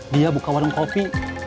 dia buka warung kopi